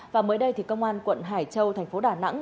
và mới đây thì công an quận hải châu thành phố đà nẵng